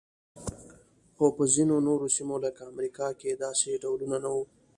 خو په ځینو نورو سیمو لکه امریکا کې داسې ډولونه نه وو.